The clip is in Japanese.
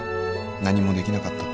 何もできなかったって。